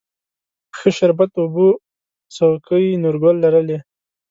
ښه شربت اوبه څوکۍ، نورګل لرلې